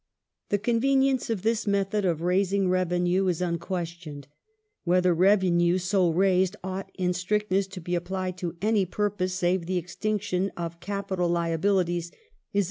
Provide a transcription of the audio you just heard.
The convenience of this method of raising revenue is unquestioned ; whether revenue so raised ought, in strictness, to be applied to any purpose save the extinction of capital liabilities is a much more ^For further detail, cf.